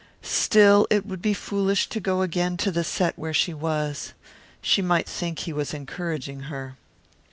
Still it would be foolish to go again to the set where she was. She might think he was encouraging her.